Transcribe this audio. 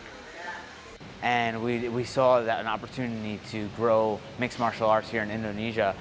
dan kami melihat kesempatan untuk membangun arti kesehatan bergabung di indonesia